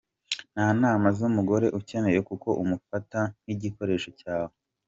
Nta nama z´umugore ukeneye kuko umufata nk´igikoresho cyawe.